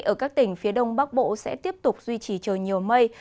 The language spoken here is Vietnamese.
ở các tỉnh phía đông bắc bộ sẽ tiếp tục duy trì trời nhiều mây